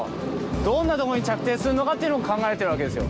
どんなところに着底するのかっていうのを考えてるわけですよ。